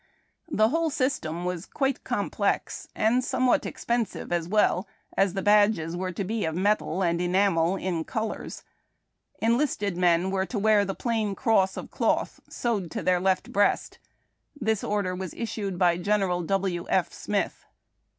The whole system was quite complex, and some what expensive as well, as the badges were to be of metal and enamel in colors. Enlisted men were to wear the plain cross of cloth, sewed to their left breast. This order was issued by General W. F. Smith.